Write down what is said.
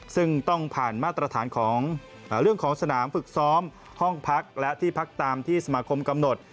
ซึ่งต้องผ่านมาตรฐานของเรื่องของสนามฝึกซ้อมห้องพักและที่พักตามที่สมาคมกำหนด